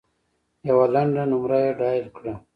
یوه لنډه نمره یې ډایل کړه .